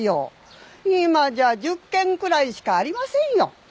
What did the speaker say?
今じゃ１０軒くらいしかありませんよ。